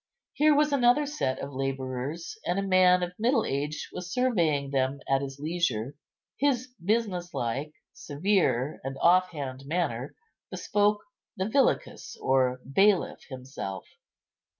Here was another set of labourers, and a man of middle age was surveying them at his leisure. His business like, severe, and off hand manner bespoke the villicus or bailiff himself.